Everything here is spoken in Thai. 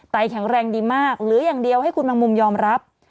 แข็งแรงดีมากเหลืออย่างเดียวให้คุณแมงมุมยอมรับ